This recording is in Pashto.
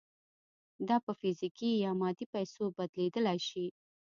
دا په فزیکي یا مادي پیسو بدلېدای شي